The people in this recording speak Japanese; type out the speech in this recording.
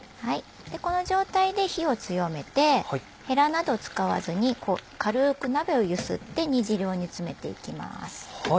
この状態で火を強めてヘラなど使わずにこう軽く鍋を揺すって煮汁を煮詰めていきます。